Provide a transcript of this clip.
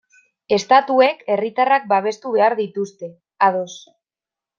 Estatuek herritarrak babestu behar dituzte, ados.